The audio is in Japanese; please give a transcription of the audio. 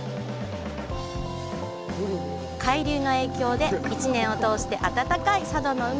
海流の影響で一年を通して温かい佐渡の海。